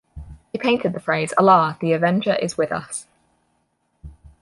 They painted the phrase Allah the Avenger is with us!